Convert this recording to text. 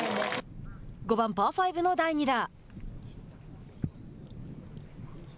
５番、パー５の第２打。